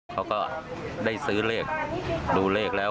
เขาก็ได้ซื้อเลขดูเลขแล้ว